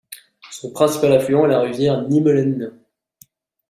Son principal affluent est la rivière Nimelen.